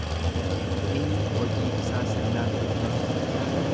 Inni hojii isaa sirnaan hojjete.